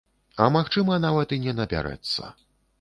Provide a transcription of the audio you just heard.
А магчыма, нават і не набярэцца.